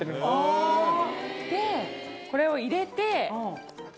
これを入れて。